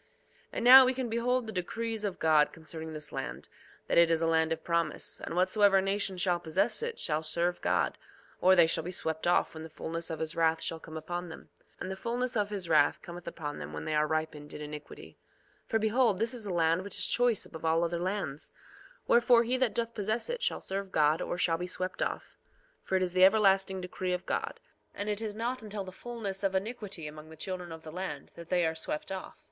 2:9 And now, we can behold the decrees of God concerning this land, that it is a land of promise; and whatsoever nation shall possess it shall serve God, or they shall be swept off when the fulness of his wrath shall come upon them. And the fulness of his wrath cometh upon them when they are ripened in iniquity. 2:10 For behold, this is a land which is choice above all other lands; wherefore he that doth possess it shall serve God or shall be swept off; for it is the everlasting decree of God. And it is not until the fulness of iniquity among the children of the land, that they are swept off.